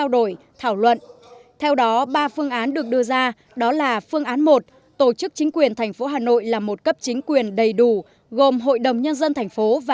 đều đặn ngày nào bà cũng hai lần đến đây